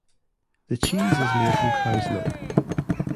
The cheese is made from cow's milk.